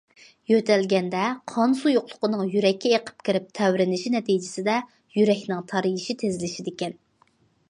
يۆتەلگەندە قان سۇيۇقلۇقىنىڭ يۈرەككە ئېقىپ كىرىپ تەۋرىنىشى نەتىجىسىدە يۈرەكنىڭ تارىيىشى تېزلىشىدىكەن.